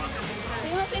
すみません